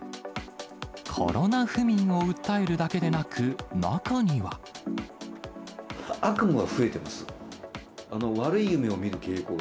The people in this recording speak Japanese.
コロナ不眠を訴えるだけでな悪夢が増えてます。